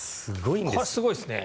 これはすごいですね。